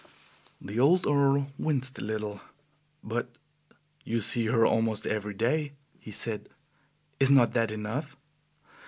The old Earl winced a little. "But you see her almost every day," he said. "Is not that enough?"